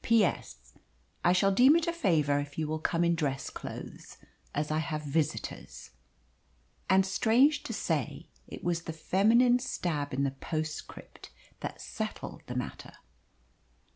"P.S. I shall deem it a favour if you will come in dress clothes, as I have visitors." And, strange to say, it was the feminine stab in the postscript that settled the matter.